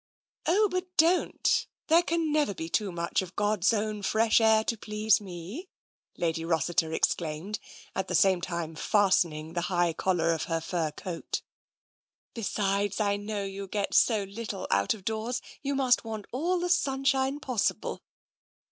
" Oh, but don't ! There can never be too much of God's own fresh air to please me," Lady Rossiter exclaimed, at the same time fastening the high collar of her fur coat. " Besides, I know you get so little out of doors you must want all the sunshine possible.